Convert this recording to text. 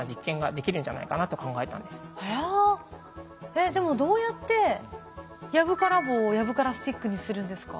えっでもどうやって「藪から棒」を「藪からスティック」にするんですか？